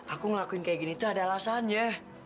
aku ngelakuin kayak gini tuh ada alasan ya